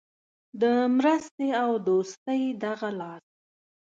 د مرستې او دوستۍ دغه لاس.